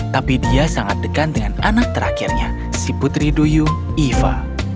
tapi dia sangat dekat dengan anak terakhirnya si putri duyung iva